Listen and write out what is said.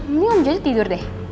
mending om jojo tidur deh